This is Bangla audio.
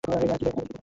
আরেকটু জোরে কথা বলো।